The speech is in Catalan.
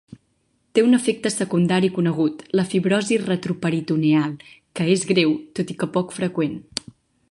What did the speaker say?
Té un efecte secundari conegut, la fibrosi retroperitoneal, que és greu, tot i que poc freqüent.